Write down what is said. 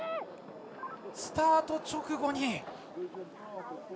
スタート直後に。